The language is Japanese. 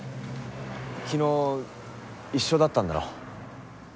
昨日一緒だったんだろ？